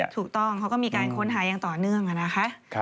ถูกต้องเขาก็มีการค้นหาอย่างต่อเนื่องนะคะ